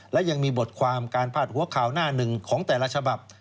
และยังมีบทความการพาดหัวข่าวหน้าหนึ่งของแต่ละฉบับ